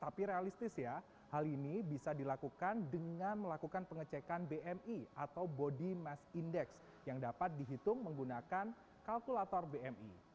tapi realistis ya hal ini bisa dilakukan dengan melakukan pengecekan bmi atau body mass index yang dapat dihitung menggunakan kalkulator bmi